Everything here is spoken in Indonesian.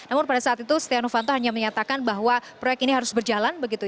namun pada saat itu stiano vanto hanya menyatakan bahwa proyek ini harus berjalan